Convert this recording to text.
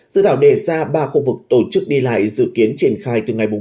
dự thảo đề ra ba khu vực tổ chức đi lại dự kiến triển khai từ ngày một một một mươi